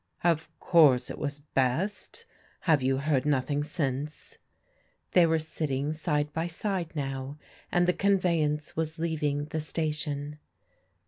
" Of course it was best. And you have heard nothing since ?" They were sitting side by side now, and the con veyance was leaving the station.